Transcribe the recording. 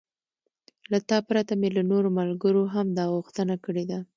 له تا پرته مې له نورو ملګرو هم دا غوښتنه کړې ده.